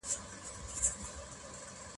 خو هغه کړو چي بادار مو خوشالیږي